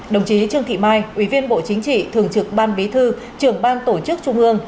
đồng chí trương thị mai ủy viên bộ chính trị thường trực ban bí thư trưởng ban tổ chức trung ương